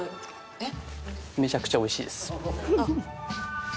えっ？